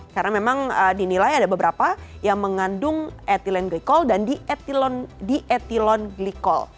karena memang dinilai ada beberapa yang mengandung etilen glikol dan di etilon glikol